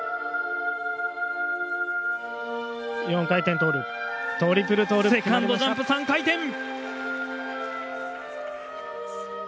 ４回転トーループ、トリプルセカンドジャンプ、３回転。